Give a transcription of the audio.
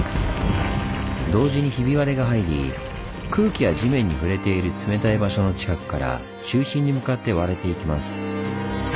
同時にひび割れが入り空気や地面に触れている冷たい場所の近くから中心に向かって割れていきます。